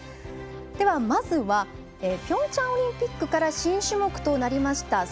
まずはピョンチャンオリンピックから新種目となりました